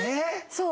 そう。